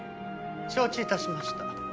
承知致しました。